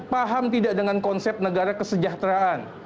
paham tidak dengan konsep negara kesejahteraan